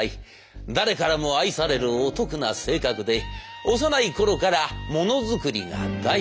誰からも愛されるお得な性格で幼いころからものづくりが大好き。